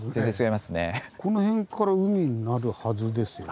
この辺から海になるはずですよね。